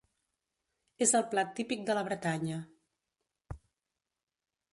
És el plat típic de la Bretanya.